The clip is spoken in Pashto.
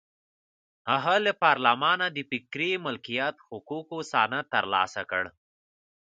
هغه له پارلمانه د فکري مالکیت حقوقو سند ترلاسه کړ.